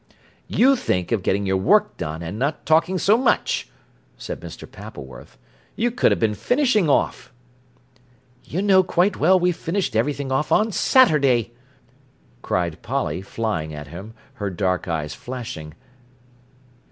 "You think of getting your work done and not talking so much," said Mr. Pappleworth. "You could ha' been finishing off." "You know quite well we finished everything off on Saturday!" cried Polly, flying at him, her dark eyes flashing.